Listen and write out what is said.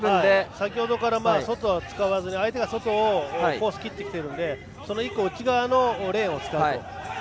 先ほどから外は使わず相手が外のコース、切ってきているのでその１個内側のレーンを使うという。